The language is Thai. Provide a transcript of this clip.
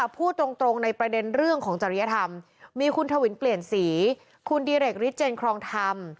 พูดตรงในประเด็นเรื่องของจริยธรรมมีคุณทวินเปลี่ยนสีคุณดิเรกฤทธเจนครองธรรม